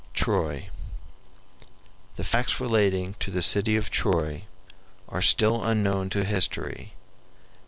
TROY The facts relating to the city of Troy are still unknown to history.